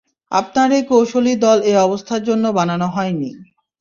আপনার এই কৌশলী দল এ অবস্থার জন্য বানানো হয় নি।